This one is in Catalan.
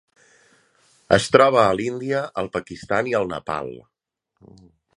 Es troba a l'Índia, el Pakistan i el Nepal.